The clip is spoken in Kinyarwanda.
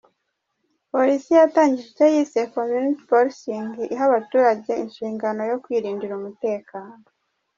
Polisi yatangije icyo yise “Community Policing” iha abaturage inshingano zo kwirindira umutekano.